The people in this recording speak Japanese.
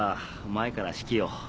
前から指揮を。